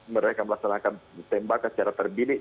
mereka melaksanakan tembak secara terdiri